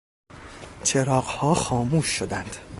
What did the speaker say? چراغها خاموش شدند.